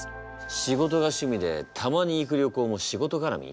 仕事が趣味でたまに行く旅行も仕事がらみ。